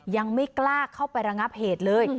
ยังไม่กล้าเข้าไประงับเหตุเลย